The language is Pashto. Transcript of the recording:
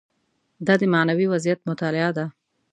دا د معنوي وضعیت مطالعه ده.